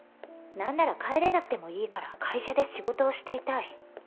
何なら帰れなくてもいいから会社で仕事をしていたい